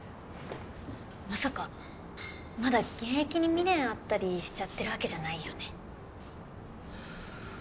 まさかまだ現役に未練あったりしちゃってるわけじゃないよね